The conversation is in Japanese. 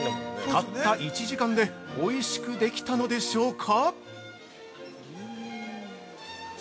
◆たった１時間でおいしくできたのでしょうか？